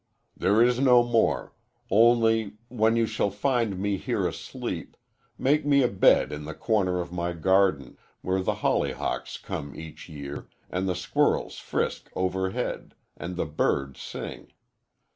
There is no more only, when you shall find me here asleep, make me a bed in the corner of my garden, where the hollyhocks come each year, and the squirrels frisk overhead, and the birds sing.